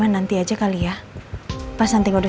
beste ditambahin kue gue hajar